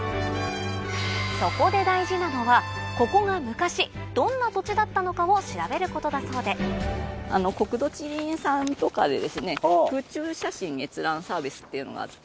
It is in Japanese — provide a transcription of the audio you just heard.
そこで大事なのはここが昔どんな土地だったのかを調べることだそうで国土地理院さんとかでですね。っていうのがあって。